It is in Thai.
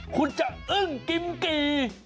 คุณจะอึ้งกิมกี่